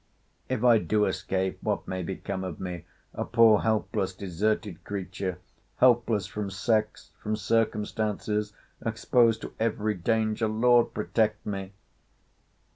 'If I do escape, what may become of me, a poor, helpless, deserted creature!—Helpless from sex!—from circumstances!—Exposed to every danger!—Lord protect me!